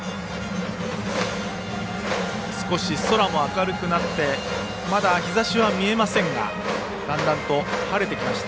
少し空も明るくなってまだ日ざしは見えませんがだんだんと晴れてきました。